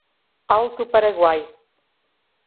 Alto Paraguai